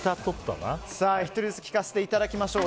１人ずつ聞かせていただきましょう。